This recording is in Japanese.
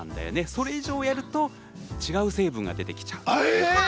それ以上やると違う成分が出てきちゃう。